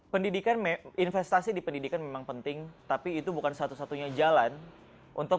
pendidikan investasi di pendidikan memang penting tapi itu bukan satu satunya jalan untuk